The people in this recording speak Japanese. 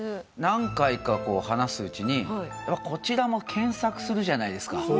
何回か話すうちにこちらも検索するじゃないですか。